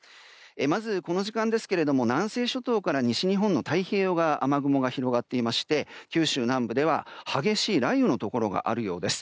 まず、この時間ですが南西諸島から西日本の太平洋側に雨雲が広がっていまして九州南部では激しい雷雨のところがあるようです。